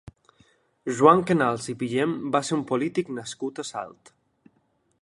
Joan Canals i Pigem va ser un polític nascut a Salt.